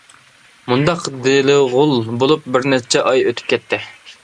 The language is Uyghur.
مۇنداق دېلىغۇل بولۇپ بىرنەچچە ئاي ئۆتۈپ كەتتى.